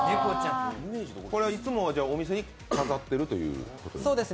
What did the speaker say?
いつもはお店に飾ってるということですか？